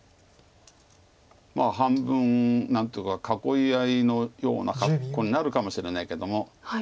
半分何とか囲い合いのような格好になるかもしれないけども。